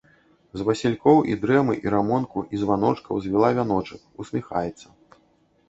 З васількоў, і дрэмы, і рамонку, і званочкаў звіла вяночак, усміхаецца.